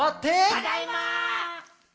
「ただいま！」